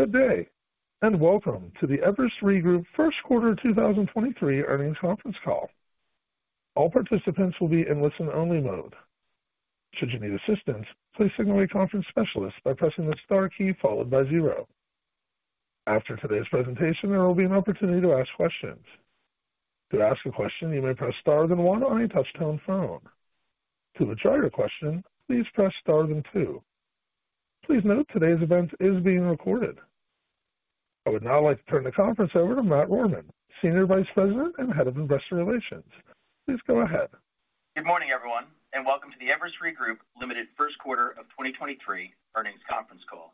Good day. Welcome to the Everest Re Group first quarter 2023 earnings conference call. All participants will be in listen-only mode. Should you need assistance, please signal a conference specialist by pressing the star key followed by zero. After today's presentation, there will be an opportunity to ask questions. To ask a question, you may press star then one on a touch-tone phone. To withdraw your question, please press star then two. Please note today's event is being recorded. I would now like to turn the conference over to Matt Rohrmann, Senior Vice President and Head of Investor Relations. Please go ahead. Good morning everyone, and welcome to the Everest Re Group, Ltd. first quarter of 2023 earnings conference call.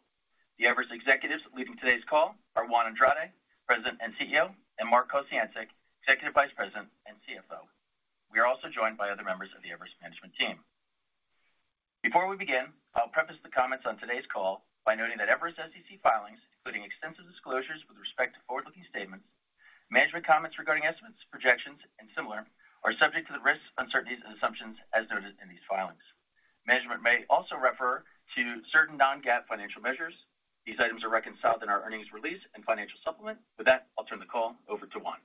The Everest executives leading today's call are Juan Andrade, President and CEO, and Mark Kociancic, Executive Vice President and CFO. We are also joined by other members of the Everest management team. Before we begin, I'll preface the comments on today's call by noting that Everest's SEC filings, including extensive disclosures with respect to forward-looking statements, management comments regarding estimates, projections, and similar, are subject to the risks, uncertainties and assumptions as noted in these filings. Management may also refer to certain non-GAAP financial measures. These items are reconciled in our earnings release and financial supplement. With that, I'll turn the call over to Juan.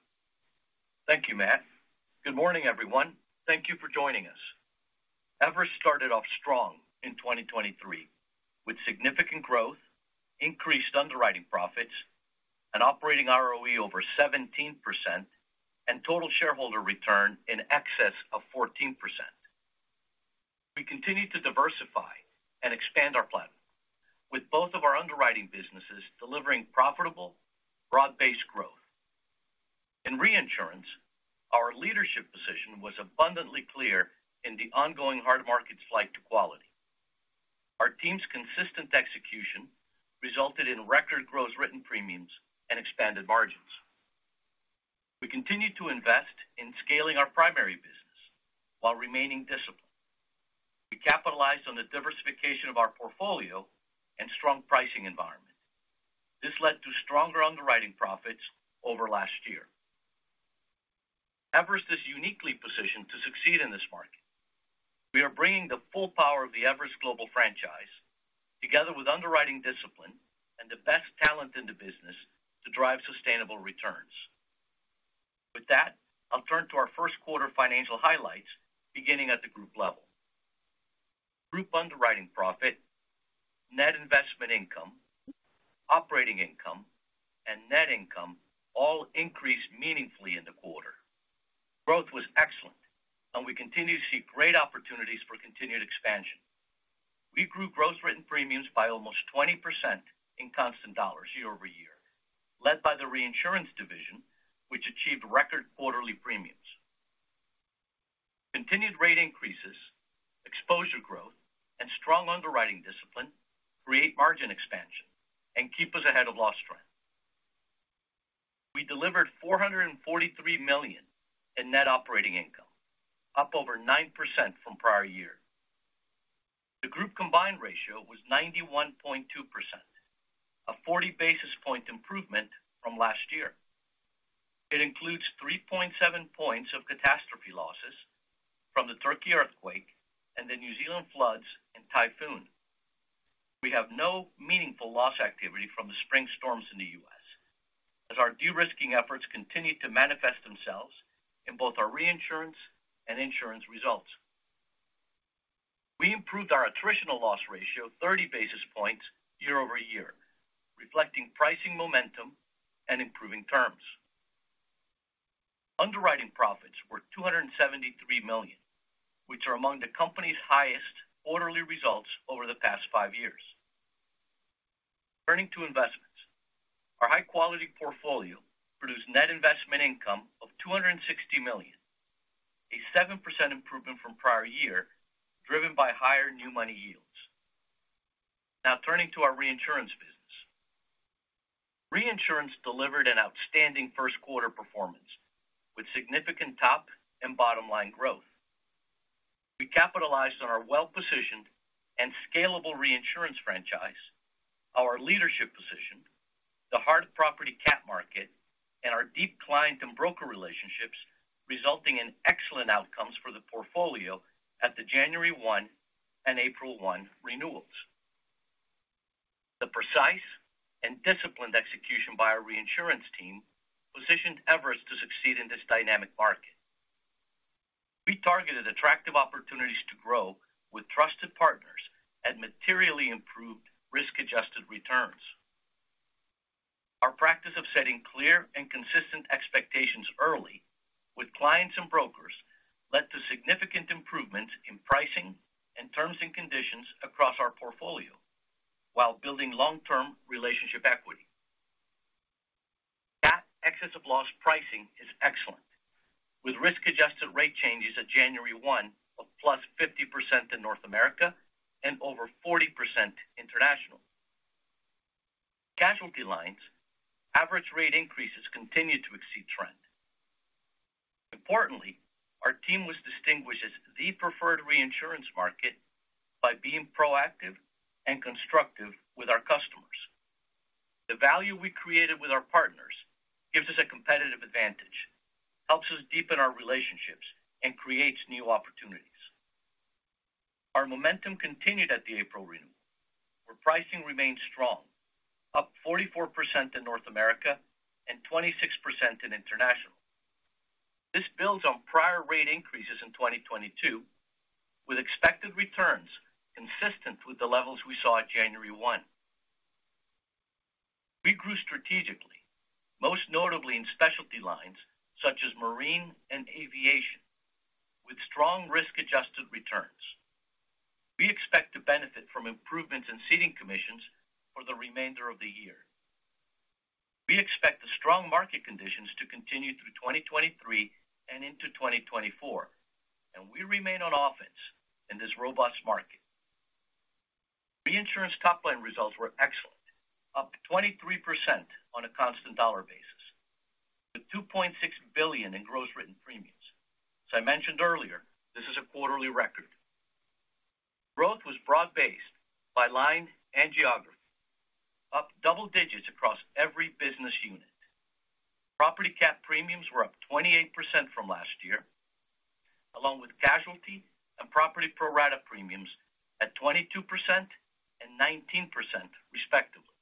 Thank you Matt. Good morning everyone. Thank you for joining us. Everest started off strong in 2023, with significant growth, increased underwriting profits, an operating ROE over 17% and total shareholder return in excess of 14%. We continue to diversify and expand our plan with both of our underwriting businesses delivering profitable, broad-based growth. In reinsurance, our leadership position was abundantly clear in the ongoing hard market flight to quality. Our team's consistent execution resulted in record gross written premiums and expanded margins. We continued to invest in scaling our primary business while remaining disciplined. We capitalized on the diversification of our portfolio and strong pricing environment. This led to stronger underwriting profits over last year. Everest is uniquely positioned to succeed in this market. We are bringing the full power of the Everest global franchise, together with underwriting discipline and the best talent in the business to drive sustainable returns. With that I'll turn to our first quarter financial highlights, beginning at the group level. Group underwriting profit, net investment income, operating income, and net income all increased meaningfully in the quarter. Growth was excellent, and we continue to see great opportunities for continued expansion. We grew gross written premiums by almost 20% in constant dollars year-over-year, led by the reinsurance division, which achieved record quarterly premiums. Continued rate increases, exposure growth, and strong underwriting discipline create margin expansion and keep us ahead of loss trend. We delivered $443 million in net operating income, up over 9% from prior year. The group combined ratio was 91.2%, a 40 basis point improvement from last year. It includes 3.7 points of catastrophe losses from the Turkey earthquake and the New Zealand floods and typhoon. We have no meaningful loss activity from the spring storms in the U.S., as our de-risking efforts continue to manifest themselves in both our reinsurance and insurance results. We improved our attritional loss ratio 30 basis points year-over-year, reflecting pricing momentum and improving terms. Underwriting profits were $273 million, which are among the company's highest quarterly results over the past five years. Turning to investments. Our high-quality portfolio produced net investment income of $260 million, a 7% improvement from prior year, driven by higher new money yields. Turning to our reinsurance business. Reinsurance delivered an outstanding first quarter performance with significant top and bottom-line growth. We capitalized on our well-positioned and scalable reinsurance franchise, our leadership position, the hard property cat market, and our deep client and broker relationships, resulting in excellent outcomes for the portfolio at the January 1 and April 1 renewals. The precise and disciplined execution by our reinsurance team positioned Everest to succeed in this dynamic market. We targeted attractive opportunities to grow with trusted partners at materially improved risk-adjusted returns. Our practice of setting clear and consistent expectations early with clients and brokers led to significant improvements in pricing and terms and conditions across our portfolio while building long-term relationship equity. Cat excess of loss pricing is excellent, with risk-adjusted rate changes at January 1 of +50% in North America and over 40% international. Casualty lines, average rate increases continued to exceed trend. Importantly, our team was distinguished as the preferred reinsurance market by being proactive and constructive with our customers. The value we created with our partners gives us a competitive advantage, helps us deepen our relationships, and creates new opportunities. Our momentum continued at the April renewal, where pricing remained strong, up 44% in North America and 26% in international. This builds on prior rate increases in 2022, with expected returns consistent with the levels we saw at January 1. We grew strategically, most notably in specialty lines such as marine and aviation, with strong risk-adjusted returns. We expect to benefit from improvements in ceding commissions for the remainder of the year. We expect the strong market conditions to continue through 2023 and into 2024, and we remain on offense in this robust market. Reinsurance top line results were excellent, up 23% on a constant dollar basis, with $2.6 billion in gross written premiums. As I mentioned earlier, this is a quarterly record. Growth was broad-based by line and geography, up double digits across every business unit. Property cap premiums were up 28% from last year, along with casualty and property pro-rata premiums at 22% and 19% respectively.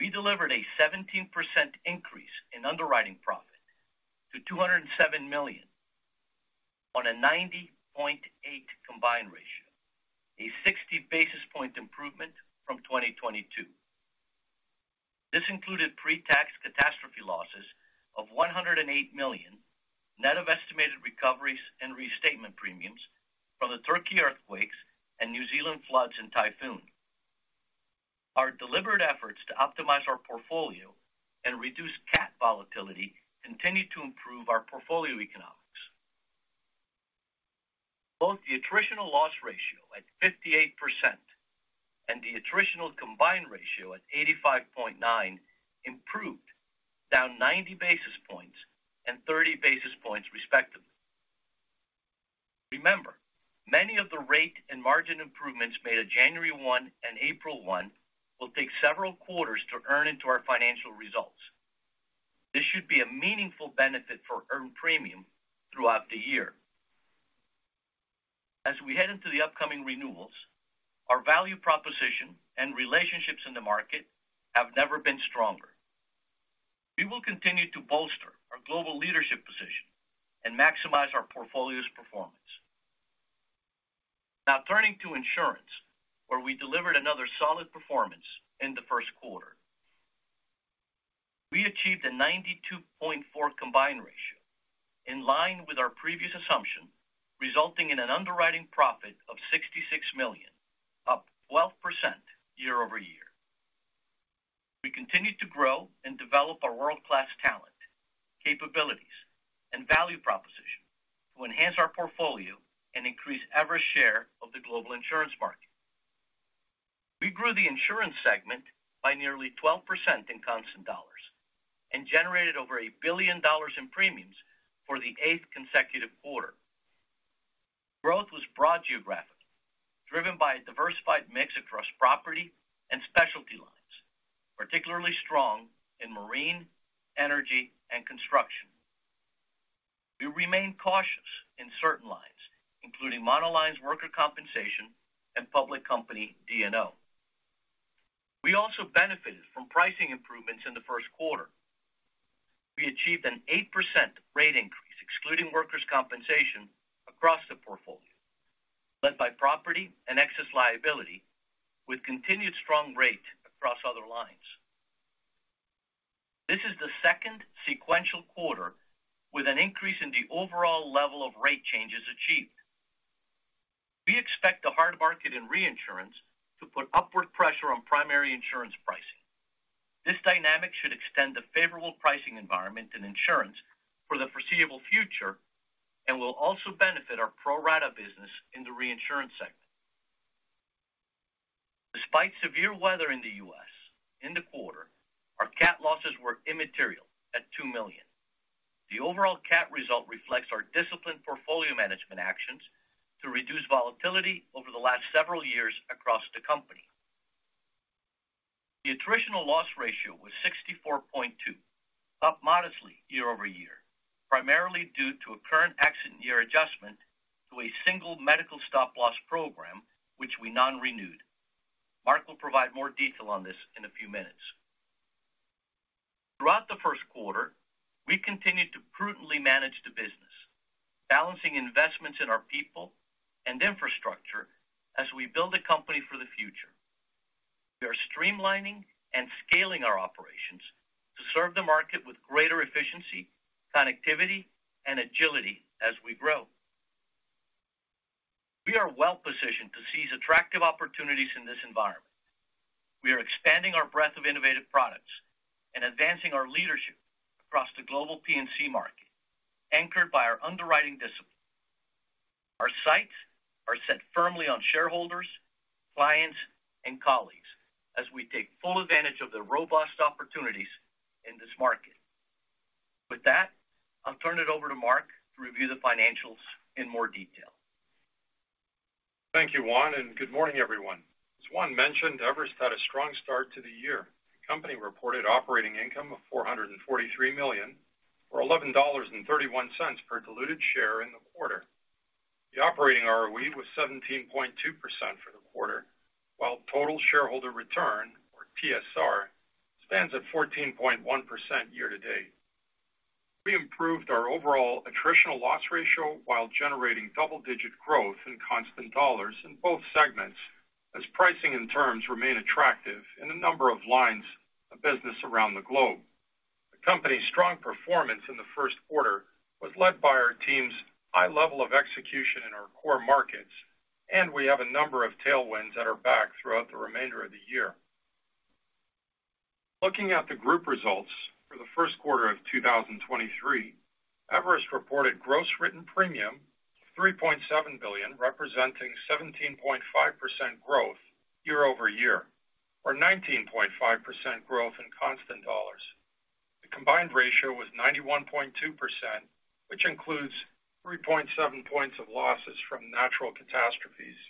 We delivered a 17% increase in underwriting profit to $207 million on a 90.8 combined ratio, a 60 basis point improvement from 2022. This included pre-tax catastrophe losses of $108 million, net of estimated recoveries and restatement premiums from the Turkey earthquakes and New Zealand floods and typhoon. Our deliberate efforts to optimize our portfolio and reduce cat volatility continued to improve our portfolio economics. Both the attritional loss ratio at 58% and the attritional combined ratio at 85.9 improved down 90 basis points and 30 basis points respectively. Remember, many of the rate and margin improvements made at January 1 and April 1 will take several quarters to earn into our financial results. This should be a meaningful benefit for earned premium throughout the year. We head into the upcoming renewals, our value proposition and relationships in the market have never been stronger. We will continue to bolster our global leadership position and maximize our portfolio's performance. Turning to insurance, where we delivered another solid performance in the first quarter. We achieved a 92.4 combined ratio in line with our previous assumption, resulting in an underwriting profit of $66 million, up 12% year-over-year. We continued to grow and develop our world-class talent, capabilities, and value proposition to enhance our portfolio and increase Everest share of the global insurance market. We grew the insurance segment by nearly 12% in constant dollars and generated over $1 billion in premiums for the eighth consecutive quarter. Growth was broad geographic, driven by a diversified mix across property and specialty lines, particularly strong in marine, energy, and construction. We remain cautious in certain lines, including monoline workers' compensation and public company D&O. We also benefited from pricing improvements in the first quarter. We achieved an 8% rate increase, excluding workers' compensation across the portfolio, led by property and excess liability, with continued strong rate across other lines. This is the second sequential quarter with an increase in the overall level of rate changes achieved. We expect the hard market in reinsurance to put upward pressure on primary insurance pricing. This dynamic should extend the favorable pricing environment in insurance for the foreseeable future and will also benefit our pro-rata business in the reinsurance segment. Despite severe weather in the U.S. in the quarter, our cat losses were immaterial at $2 million. The overall cat result reflects our disciplined portfolio management actions to reduce volatility over the last several years across the company. The attritional loss ratio was 64.2, up modestly year-over-year, primarily due to a current accident year adjustment to a single medical stop loss program, which we non-renewed. Mark will provide more detail on this in a few minutes. Throughout the first quarter, we continued to prudently manage the business, balancing investments in our people and infrastructure as we build a company for the future. We are streamlining and scaling our operations to serve the market with greater efficiency, connectivity, and agility as we grow. We are well-positioned to seize attractive opportunities in this environment. We are expanding our breadth of innovative products and advancing our leadership across the global P&C market, anchored by our underwriting discipline. Our sights are set firmly on shareholders, clients, and colleagues as we take full advantage of the robust opportunities in this market. With that, I'll turn it over to Mark to review the financials in more detail. Thank you, Juan, and good morning, everyone. As Juan mentioned, Everest had a strong start to the year. The company reported operating income of $443 million, or $11.31 per diluted share in the quarter. The operating ROE was 17.2% for the quarter, while total shareholder return, or TSR, stands at 14.1% year-to-date. We improved our overall attritional loss ratio while generating double-digit growth in constant dollars in both segments as pricing and terms remain attractive in a number of lines of business around the globe. The company's strong performance in the first quarter was led by our team's high level of execution in our core markets, and we have a number of tailwinds at our back throughout the remainder of the year. Looking at the group results for the first quarter of 2023, Everest reported gross written premium of $3.7 billion, representing 17.5% growth year-over-year, or 19.5% growth in constant dollars. The combined ratio was 91.2%, which includes 3.7 points of losses from natural catastrophes.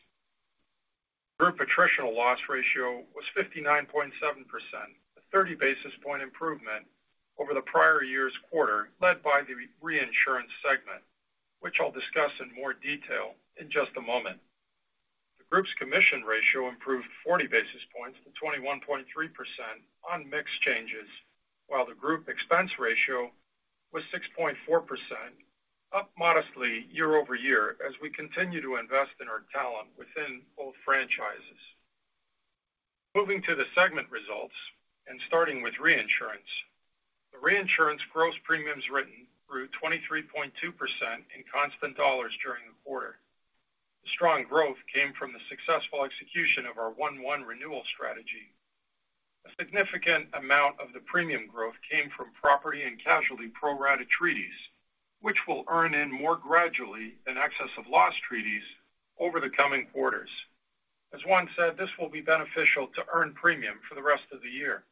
Group attritional loss ratio was 59.7%, a 30 basis point improvement over the prior year's quarter, led by the reinsurance segment, which I'll discuss in more detail in just a moment. The group's commission ratio improved 40 basis points to 21.3% on mix changes, while the group expense ratio was 6.4%, up modestly year-over-year as we continue to invest in our talent within both franchises. Moving to the segment results and starting with reinsurance. The reinsurance gross premiums written grew 23.2% in constant dollars during the quarter. The strong growth came from the successful execution of our 1-1 renewal strategy. A significant amount of the premium growth came from property and casualty pro-rata treaties, which will earn in more gradually in excess of loss treaties over the coming quarters. As Juan said, this will be beneficial to earn premium for the rest of the year.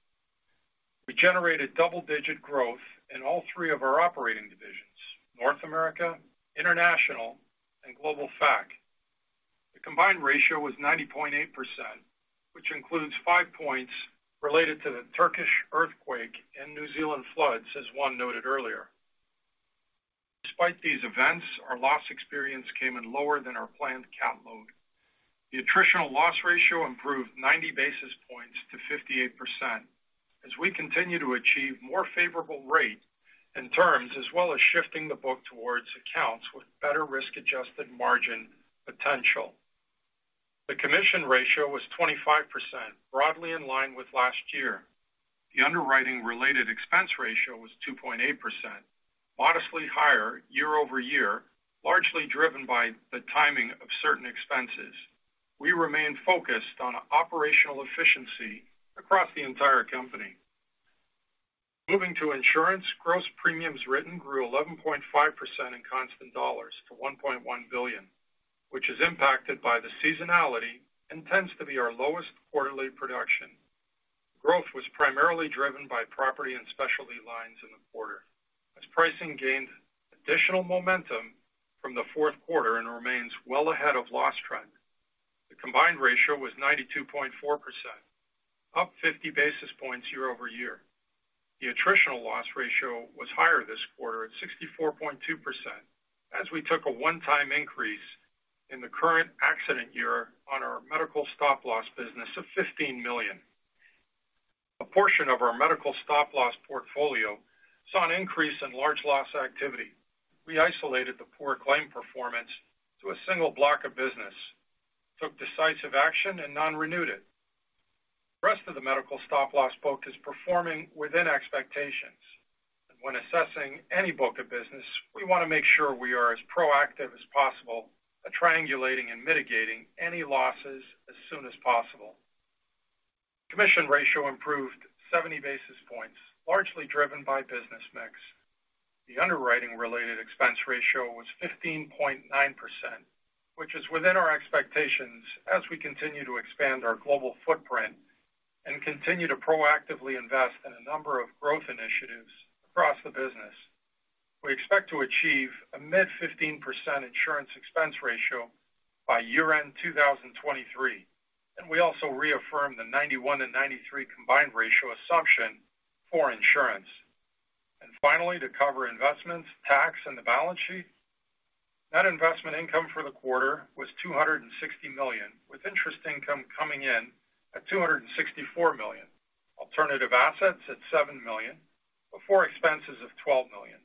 We generated double-digit growth in all three of our operating divisions, North America, International, and Global Fac. The combined ratio was 90.8%, which includes five points related to the Turkish earthquake and New Zealand floods, as Juan noted earlier. Despite these events, our loss experience came in lower than our planned cat load. The attritional loss ratio improved 90 basis points to 58% as we continue to achieve more favorable rate in terms, as well as shifting the book towards accounts with better risk-adjusted margin potential. The commission ratio was 25%, broadly in line with last year. The underwriting-related expense ratio was 2.8%, modestly higher year-over-year, largely driven by the timing of certain expenses. We remain focused on operational efficiency across the entire company. Moving to insurance, gross premiums written grew 11.5% in constant dollars to $1.1 billion, which is impacted by the seasonality and tends to be our lowest quarterly production. Growth was primarily driven by property and specialty lines in the quarter as pricing gained additional momentum from the fourth quarter and remains well ahead of loss trend. The combined ratio was 92.4%, up 50 basis points year-over-year. The attritional loss ratio was higher this quarter at 64.2% as we took a one-time increase in the current accident year on our medical stop loss business of $15 million. A portion of our medical stop loss portfolio saw an increase in large loss activity. We isolated the poor claim performance to a single block of business, took decisive action and non-renewed it. The rest of the medical stop loss book is performing within expectations. When assessing any book of business, we want to make sure we are as proactive as possible at triangulating and mitigating any losses as soon as possible. Commission ratio improved 70 basis points, largely driven by business mix. The underwriting-related expense ratio was 15.9%, which is within our expectations as we continue to expand our global footprint and continue to proactively invest in a number of growth initiatives across the business. We expect to achieve a mid-15% insurance expense ratio by year-end 2023. We also reaffirm the 91% and 93% combined ratio assumption for insurance. Finally, to cover investments, tax, and the balance sheet. Net investment income for the quarter was $260 million, with interest income coming in at $264 million, alternative assets at $7 million, before expenses of $12 million.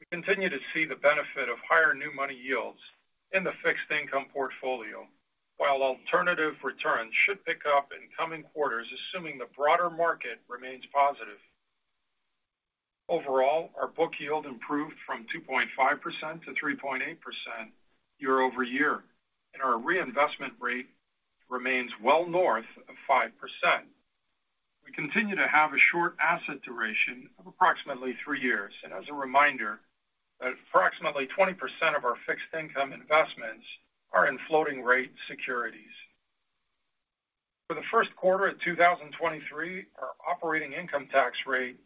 We continue to see the benefit of higher new money yields in the fixed income portfolio, while alternative returns should pick up in coming quarters, assuming the broader market remains positive. Overall, our book yield improved from 2.5% to 3.8% year-over-year. Our reinvestment rate remains well north of 5%. We continue to have a short asset duration of approximately 3 years. As a reminder, approximately 20% of our fixed income investments are in floating rate securities. For the first quarter of 2023, our operating income tax rate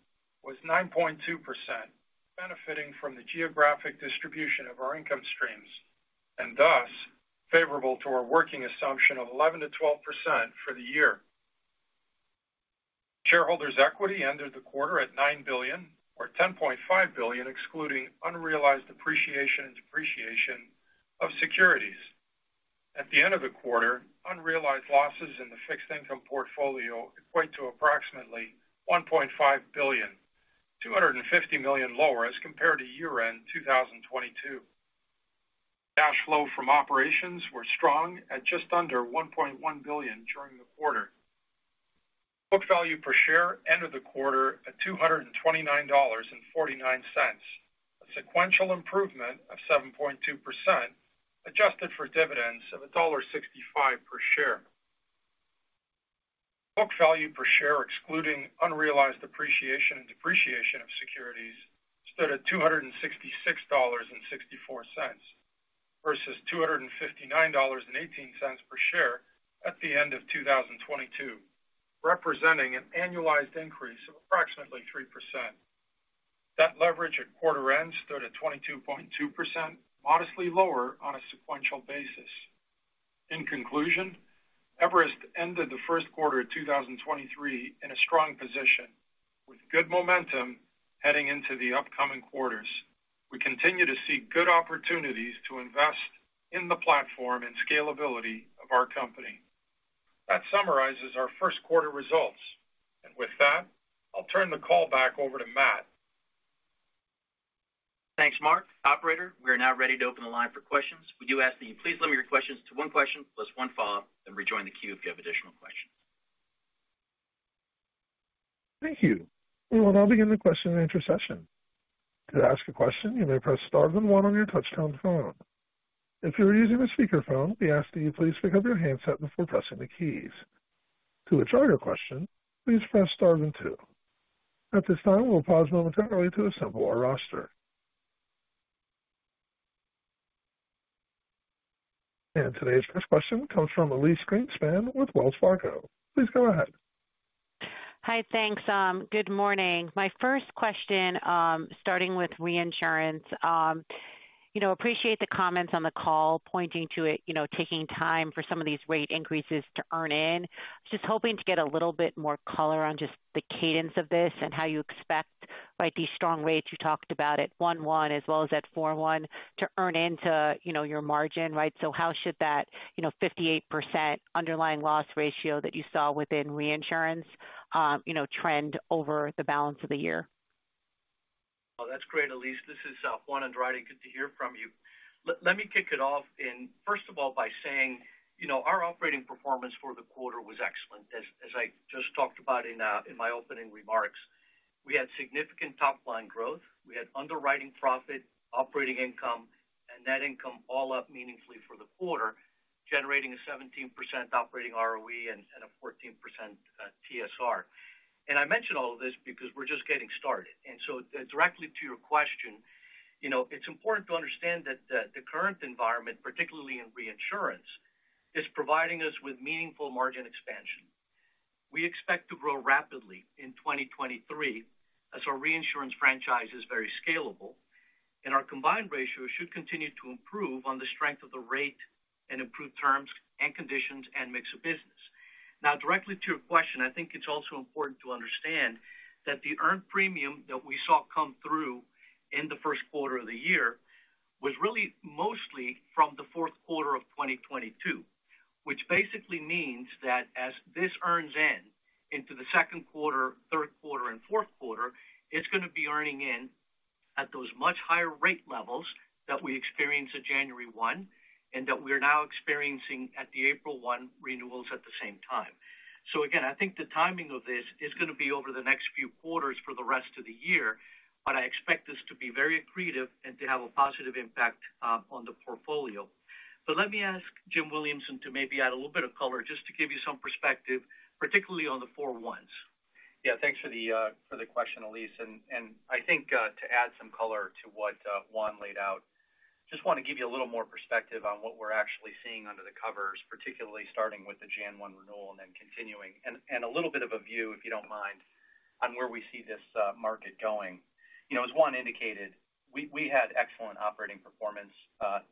was 9.2%, benefiting from the geographic distribution of our income streams and thus favorable to our working assumption of 11%-12% for the year. Shareholders' equity ended the quarter at $9 billion, or $10.5 billion, excluding unrealized appreciation and depreciation of securities. At the end of the quarter, unrealized losses in the fixed income portfolio equate to approximately $1.5 billion, $250 million lower as compared to year-end 2022. Cash flow from operations were strong at just under $1.1 billion during the quarter. Book value per share ended the quarter at $229.49, a sequential improvement of 7.2%, adjusted for dividends of $1.65 per share. Book value per share, excluding unrealized appreciation and depreciation of securities, stood at $266.64, versus $259.18 per share at the end of 2022, representing an annualized increase of approximately 3%. Debt leverage at quarter end stood at 22.2%, modestly lower on a sequential basis. In conclusion, Everest ended the first quarter of 2023 in a strong position with good momentum heading into the upcoming quarters. We continue to seek good opportunities to invest in the platform and scalability of our company. That summarizes our first quarter results. With that, I'll turn the call back over to Matt. Thanks, Mark. Operator, we are now ready to open the line for questions. We do ask that you please limit your questions to 1 question plus 1 follow-up, and rejoin the queue if you have additional questions. Thank you. We will now begin the question and answer session. To ask a question, you may press star then one on your touch-tone phone. If you are using a speakerphone, we ask that you please pick up your handset before pressing the keys. To withdraw your question, please press star then two. At this time, we'll pause momentarily to assemble our roster. Today's first question comes from Elyse Greenspan with Wells Fargo. Please go ahead. Hi. Thanks. good morning. My first question, starting with reinsurance. you know, appreciate the comments on the call pointing to it, you know, taking time for some of these rate increases to earn in. Just hoping to get a little bit more color on just the cadence of this and how you expect, like, these strong rates you talked about at 1/1 as well as at 4/1 to earn into, you know, your margin, right? How should that, you know, 58% underlying loss ratio that you saw within reinsurance, you know, trend over the balance of the year? Oh, that's great, Elyse. This is Juan Andrade. Good to hear from you. Let me kick it off in, first of all, by saying, you know, our operating performance for the quarter was excellent. As I just talked about in my opening remarks. We had significant top line growth. We had underwriting profit, operating income, and net income all up meaningfully for the quarter, generating a 17% operating ROE and a 14% TSR. I mention all of this because we're just getting started. Directly to your question, you know, it's important to understand that the current environment, particularly in reinsurance, is providing us with meaningful margin expansion. We expect to grow rapidly in 2023 as our reinsurance franchise is very scalable, and our combined ratio should continue to improve on the strength of the rate and improved terms and conditions and mix of business. Directly to your question, I think it's also important to understand that the earned premium that we saw come through in the first quarter of the year was really mostly from the fourth quarter of 2022, which basically means that as this earns in into the second quarter, third quarter and fourth quarter, it's gonna be earning in at those much higher rate levels that we experienced at January 1 and that we are now experiencing at the April 1 renewals at the same time. Again, I think the timing of this is gonna be over the next few quarters for the rest of the year, but I expect this to be very accretive and to have a positive impact on the portfolio. Let me ask Jim Williamson to maybe add a little bit of color just to give you some perspective, particularly on the 4 ones. Yeah, thanks for the question, Elise. I think, to add some color to what Juan laid out, just wanna give you a little more perspective on what we're actually seeing under the covers, particularly starting with the Jan 1 renewal and then continuing. A little bit of a view, if you don't mind, on where we see this market going. You know, as Juan indicated, we had excellent operating performance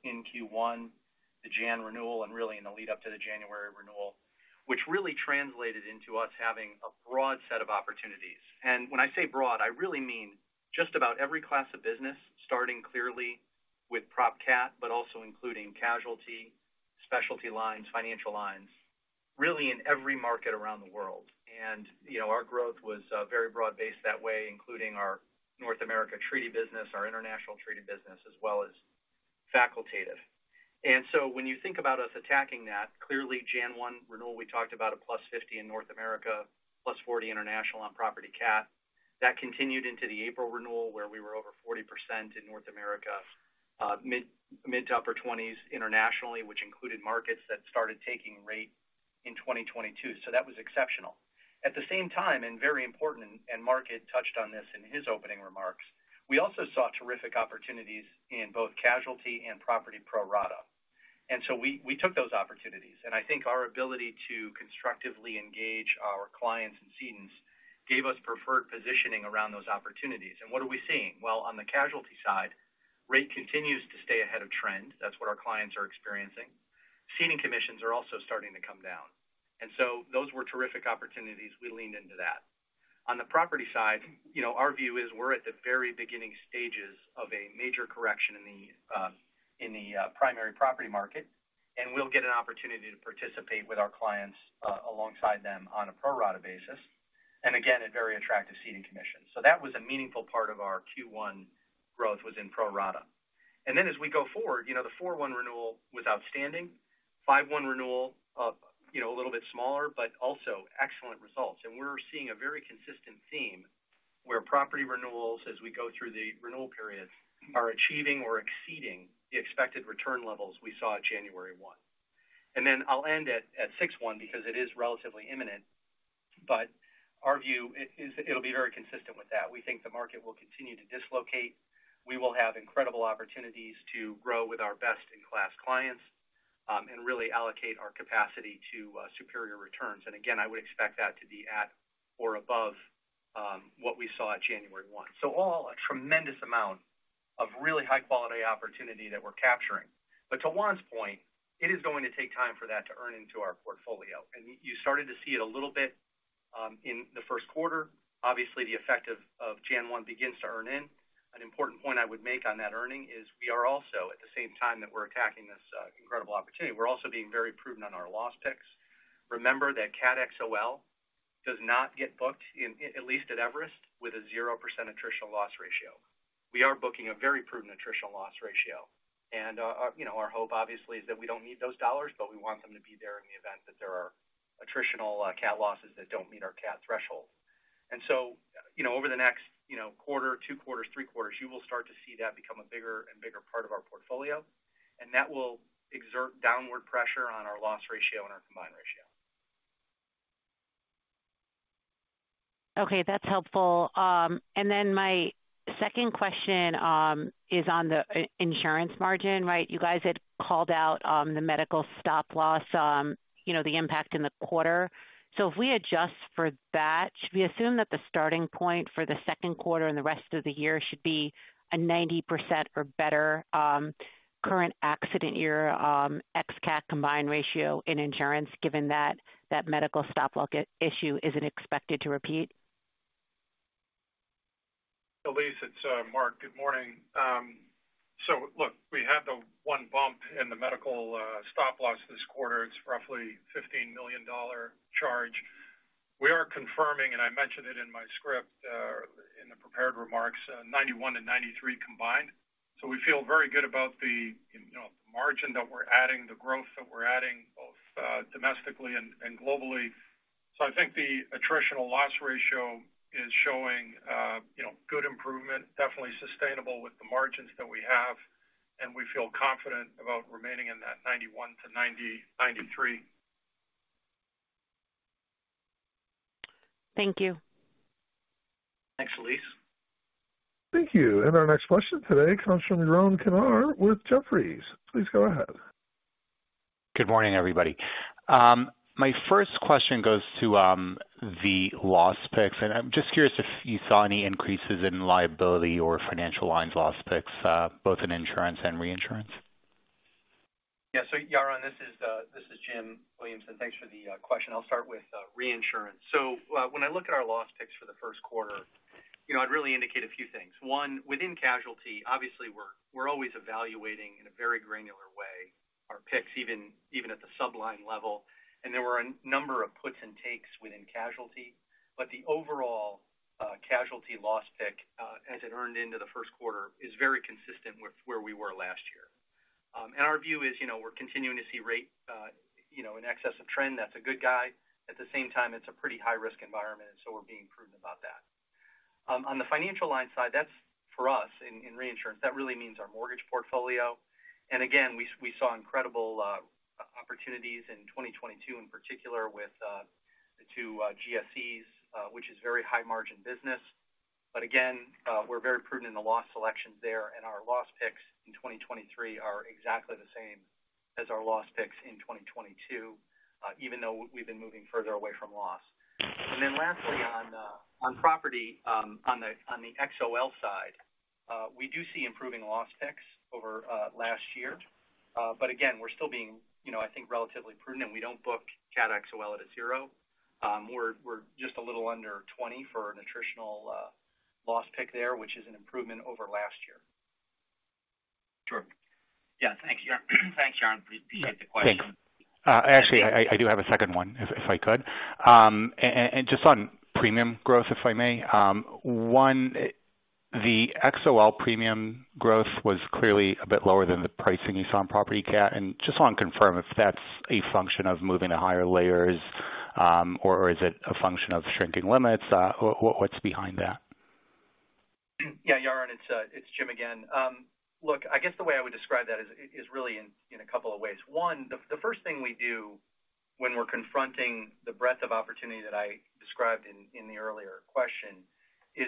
in Q1, the Jan renewal and really in the lead-up to the January renewal, which really translated into us having a broad set of opportunities. When I say broad, I really mean just about every class of business, starting clearly with prop cat, but also including casualty, specialty lines, financial lines, really in every market around the world. You know, our growth was very broad-based that way, including our North America treaty business, our international treaty business, as well as facultative. When you think about us attacking that, clearly January 1 renewal, we talked about a +50% in North America, +40% international on property cat. That continued into the April renewal, where we were over 40% in North America, mid to upper 20s internationally, which included markets that started taking rate in 2022. That was exceptional. At the same time, and very important, and Mark had touched on this in his opening remarks, we also saw terrific opportunities in both casualty and property pro-rata. We took those opportunities, and I think our ability to constructively engage our clients and cedents gave us preferred positioning around those opportunities. What are we seeing? Well, on the casualty side, rate continues to stay ahead of trend. That's what our clients are experiencing. Ceding commissions are also starting to come down. Those were terrific opportunities. We leaned into that. On the property side, you know, our view is we're at the very beginning stages of a major correction in the in the primary property market, and we'll get an opportunity to participate with our clients alongside them on a pro rata basis, and again, at very attractive ceding commissions. That was a meaningful part of our Q1 growth was in pro rata. As we go forward, you know, the 4/1 renewal was outstanding. 5/1 renewal, you know, a little bit smaller, but also excellent results. We're seeing a very consistent theme where property renewals, as we go through the renewal periods, are achieving or exceeding the expected return levels we saw at January 1. Then I'll end at June 1 because it is relatively imminent. Our view is, it'll be very consistent with that. We think the market will continue to dislocate. We will have incredible opportunities to grow with our best-in-class clients, and really allocate our capacity to superior returns. Again, I would expect that to be at or above what we saw at January 1. All a tremendous amount of really high-quality opportunity that we're capturing. To Juan's point, it is going to take time for that to earn into our portfolio. You started to see it a little bit in the 1st quarter. Obviously, the effect of January 1 begins to earn in. An important point I would make on that earning is we are also at the same time that we're attacking this incredible opportunity, we're also being very prudent on our loss picks. Remember that cat XOL does not get booked in, at least at Everest, with a 0% attritional loss ratio. We are booking a very prudent attritional loss ratio. Our, you know, our hope obviously is that we don't need those dollars, but we want them to be there in the event that there are attritional cat losses that don't meet our cat threshold. You know, over the next, you know, quarter, two quarters, three quarters, you will start to see that become a bigger and bigger part of our portfolio, and that will exert downward pressure on our loss ratio and our combined ratio. Okay, that's helpful. My second question is on the insurance margin, right? You guys had called out the medical stop loss, the impact in the quarter. If we adjust for that, should we assume that the starting point for the second quarter and the rest of the year should be a 90% or better current accident year ex cat combined ratio in insurance, given that that medical stop loss issue isn't expected to repeat? Elyse, it's Mark. Good morning. Look, we had the one bump in the medical stop loss this quarter. It's roughly $15 million dollar charge. We are confirming, and I mentioned it in my script, in the prepared remarks, 91% and 93% combined. We feel very good about the, you know, margin that we're adding, the growth that we're adding, both domestically and globally. I think the attritional loss ratio is showing, you know, good improvement, definitely sustainable with the margins that we have. We feel confident about remaining in that 91%-93%. Thank you. Thanks, Elise. Thank you. Our next question today comes from Yaron Kinar with Jefferies. Please go ahead. Good morning, everybody. My first question goes to the loss picks. I'm just curious if you saw any increases in liability or financial lines loss picks, both in insurance and reinsurance? Yeah. Yaron, this is Jim Williamson. Thanks for the question. I'll start with reinsurance. When I look at our loss picks for the first quarter, you know, I'd really indicate a few things. One, within casualty, obviously we're always evaluating in a very granular way our picks, even at the sub-line level. There were a number of puts and takes within casualty. The overall casualty loss pick, as it earned into the first quarter, is very consistent with where we were last year. Our view is, you know, we're continuing to see rate, you know, in excess of trend. That's a good guide. At the same time, it's a pretty high-risk environment, we're being prudent about that. On the financial line side, that's for us in reinsurance, that really means our mortgage portfolio. Again, we saw incredible opportunities in 2022 in particular with the 2 GSEs, which is very high margin business. Again, we're very prudent in the loss selections there, and our loss picks in 2023 are exactly the same as our loss picks in 2022, even though we've been moving further away from loss. Lastly, on property, on the XOL side, we do see improving loss picks over last year. Again, we're still being, you know, I think, relatively prudent, and we don't book cat XOL at a 0. We're just a little under 20 for an attritional loss pick there, which is an improvement over last year. Sure. Yeah. Thanks, Yaron. Appreciate the question. Thanks. Actually, I do have a second one, if I could. Just on premium growth, if I may. One, the XOL premium growth was clearly a bit lower than the pricing you saw on property cat, and just want to confirm if that's a function of moving to higher layers, or is it a function of shrinking limits? What's behind that? Yeah, Yaron, it's Jim again. Look, I guess the way I would describe that is really in a couple of ways. One, the first thing we do when we're confronting the breadth of opportunity that I described in the earlier question is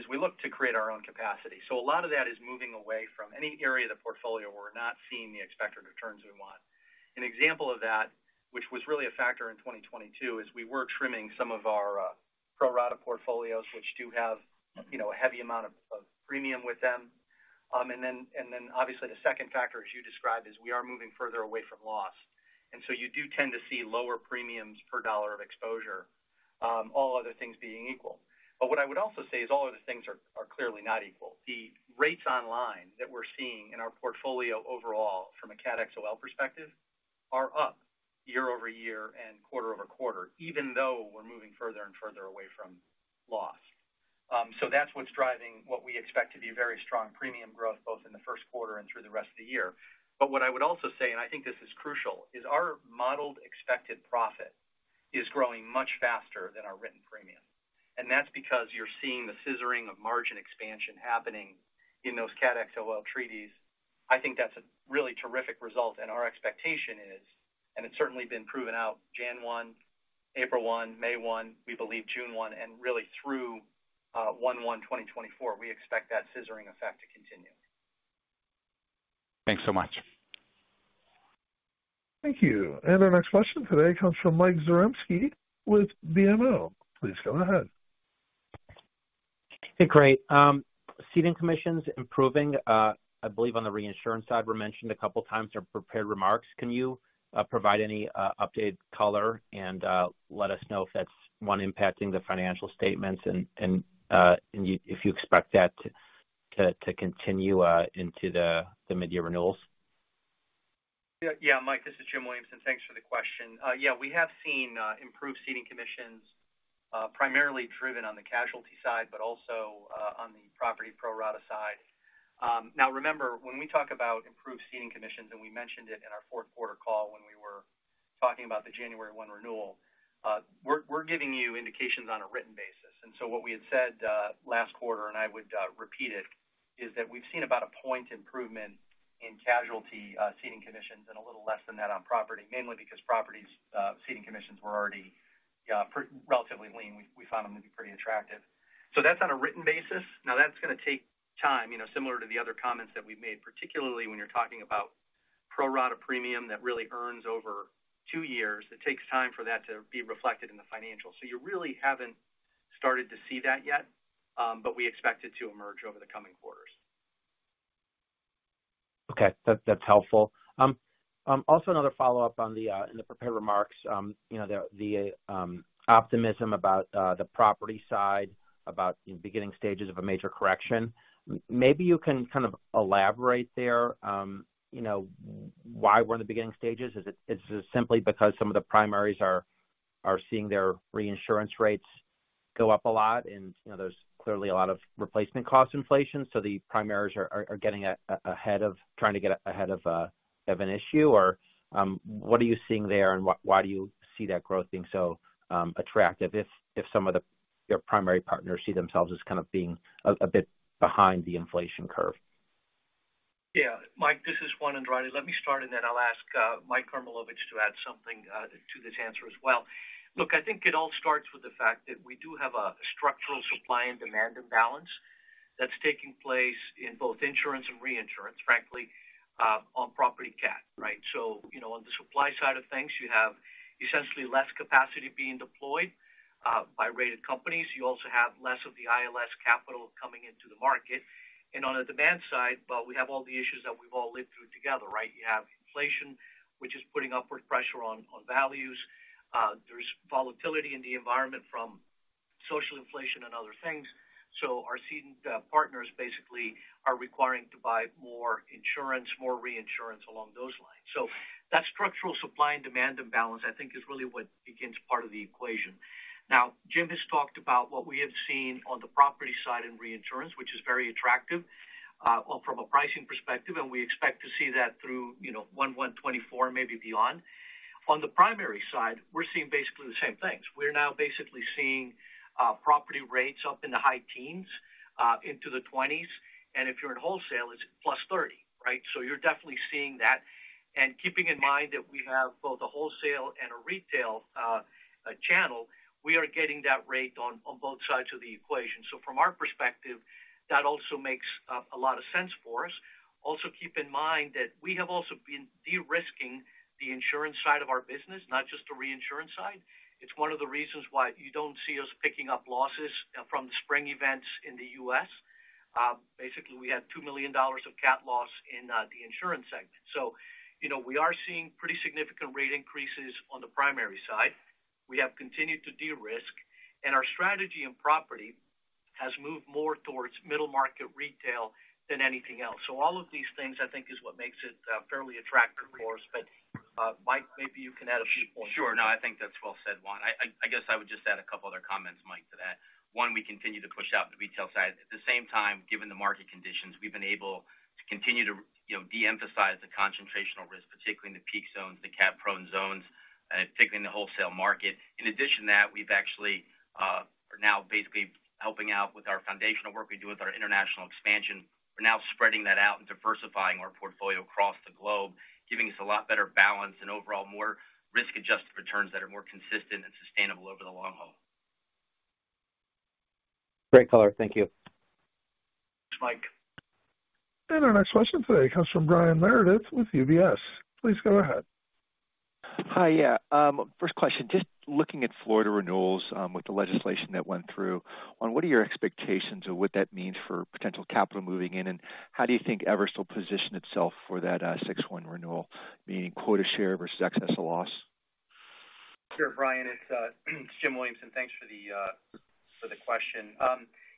we look to create our own capacity. A lot of that is moving away from any area of the portfolio we're not seeing the expected returns we want. An example of that, which was really a factor in 2022, is we were trimming some of our pro-rata portfolios, which do have, you know, a heavy amount of premium with them. Then obviously the second factor, as you described, is we are moving further away from loss. You do tend to see lower premiums per dollar of exposure, all other things being equal. What I would also say is all other things are clearly not equal. The rate on line that we're seeing in our portfolio overall from a cat XOL perspective are up year-over-year and quarter-over-quarter, even though we're moving further and further away from loss. That's what's driving what we expect to be very strong premium growth both in the first quarter and through the rest of the year. What I would also say, and I think this is crucial, is our modeled expected profit is growing much faster than our written premium. That's because you're seeing the scissoring of margin expansion happening in those cat XOL treaties. I think that's a really terrific result. Our expectation is. It's certainly been proven out January 1, April 1, May 1, we believe June 1. Really through 1/1/2024, we expect that scissoring effect to continue. Thanks so much. Thank you. Our next question today comes from Mike Zaremski with BMO. Please go ahead. Hey, great. ceding commissions improving, I believe on the reinsurance side were mentioned a couple of times in your prepared remarks. Can you provide any updated color and let us know if that's, one, impacting the financial statements if you expect that to continue into the mid-year renewals? Yeah. Yeah, Mike, this is Jim Williamson. Thanks for the question. We have seen improved ceding commissions, primarily driven on the casualty side, but also on the property pro rata side. Now remember, when we talk about improved ceding commissions, and we mentioned it in our fourth quarter call when we were talking about the January 1 renewal, we're giving you indications on a written basis. What we had said last quarter, and I would repeat it, is that we've seen about a point improvement in casualty ceding commissions and a little less than that on property, mainly because property ceding commissions were already relatively lean. We found them to be pretty attractive. So that's on a written basis. That's gonna take time, you know, similar to the other comments that we've made, particularly when you're talking about pro-rata premium that really earns over two years. It takes time for that to be reflected in the financials. You really haven't started to see that yet, but we expect it to emerge over the coming quarters. Okay. That's helpful. Also another follow-up on the in the prepared remarks, you know, the optimism about the property side, about the beginning stages of a major correction. Maybe you can kind of elaborate there, you know, why we're in the beginning stages. Is it simply because some of the primaries are seeing their reinsurance rates go up a lot and, you know, there's clearly a lot of replacement cost inflation, so the primaries are getting ahead of trying to get ahead of an issue? Or, what are you seeing there and why do you see that growth being so attractive if some of the, your primary partners see themselves as kind of being a bit behind the inflation curve? Yeah. Mike, this is Juan Andrade. Let me start, and then I'll ask Mike Karmilowicz to add something to this answer as well. Look, I think it all starts with the fact that we do have a structural supply and demand imbalance that's taking place in both insurance and reinsurance, frankly, on property cat, right? You know, on the supply side of things, you have essentially less capacity being deployed by rated companies. You also have less of the ILS capital coming into the market. On the demand side, well, we have all the issues that we've all lived through together, right? You have inflation, which is putting upward pressure on values. There's volatility in the environment from social inflation and other things. Our ceding partners basically are requiring to buy more insurance, more reinsurance along those lines. That structural supply and demand imbalance, I think is really what begins part of the equation. Jim has talked about what we have seen on the property side in reinsurance, which is very attractive, or from a pricing perspective, and we expect to see that through, you know, 1/1/2024, maybe beyond. On the primary side, we're seeing basically the same things. We're now basically seeing property rates up in the high teens, into the 20s. If you're in wholesale, it's +30%, right? You're definitely seeing that. Keeping in mind that we have both a wholesale and a retail channel, we are getting that rate on both sides of the equation. From our perspective, that also makes a lot of sense for us. Also, keep in mind that we have also been de-risking the insurance side of our business, not just the reinsurance side. It's one of the reasons why you don't see us picking up losses from the spring events in the U.S. Basically, we had $2 million of cat loss in the insurance segment. You know, we are seeing pretty significant rate increases on the primary side. We have continued to de-risk, and our strategy in property has moved more towards middle market retail than anything else. All of these things, I think is what makes it fairly attractive for us. Mike, maybe you can add a few points. Sure. No, I think that's well said, Juan. I guess I would just add a couple other comments, Mike, to that. One, we continue to push out the retail side. At the same time, given the market conditions, we've been able to continue to you know, de-emphasize the concentrational risk, particularly in the peak zones, the cat-prone zones, particularly in the wholesale market. In addition to that, we've actually are now basically helping out with our foundational work we do with our international expansion. We're now spreading that out and diversifying our portfolio across the globe, giving us a lot better balance and overall more risk-adjusted returns that are more consistent and sustainable over the long haul. Great color. Thank you. Thanks, Mike. Our next question today comes from Brian Meredith with UBS. Please go ahead. Hi. Yeah. First question, just looking at Florida renewals, with the legislation that went through, on what are your expectations of what that means for potential capital moving in, and how do you think Everest will position itself for that, six one renewal, meaning quota share versus excess or loss? Sure, Brian, it's Jim Williamson. Thanks for the for the question.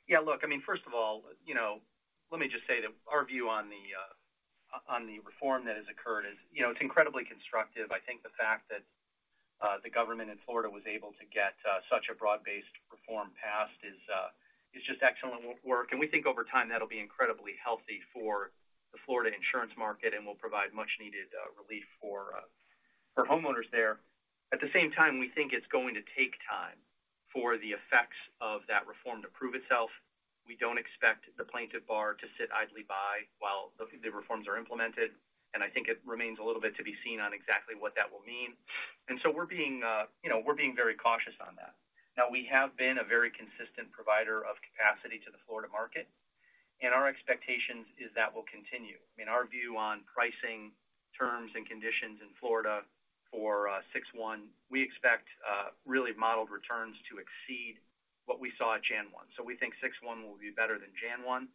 Yeah, look, I mean, first of all, you know, let me just say that our view on the on the reform that has occurred is, you know, it's incredibly constructive. I think the fact that the government in Florida was able to get such a broad-based reform passed is just excellent work. We think over time, that'll be incredibly healthy for the Florida insurance market and will provide much needed relief for for homeowners there. At the same time, we think it's going to take time for the effects of that reform to prove itself. We don't expect the plaintiff bar to sit idly by while the reforms are implemented, and I think it remains a little bit to be seen on exactly what that will mean. We're being, you know, we're being very cautious on that. We have been a very consistent provider of capacity to the Florida market, and our expectations is that will continue. Our view on pricing terms and conditions in Florida for 6/1, we expect really modeled returns to exceed what we saw at Jan one. We think 6/1 will be better than Jan one.